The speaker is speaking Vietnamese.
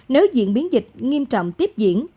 nếu diễn biến dịch nghiêm trọng tiếp diễn